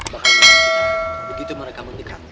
begitu mereka mendekat